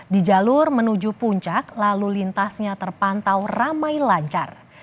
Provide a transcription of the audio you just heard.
di jalur menuju puncak lalu lintasnya terpantau ramai lancar